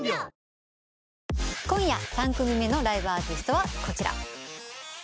今夜３組目のライブアーティストはこちら。